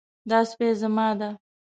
دا سپی زما ده